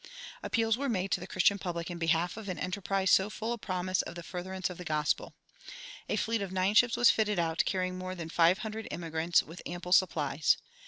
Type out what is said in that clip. Appeals were made to the Christian public in behalf of an enterprise so full of promise of the furtherance of the gospel. A fleet of nine ships was fitted out, carrying more than five hundred emigrants, with ample supplies.